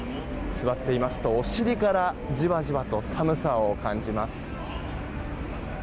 座っていますと、お尻からじわじわと寒さを感じます。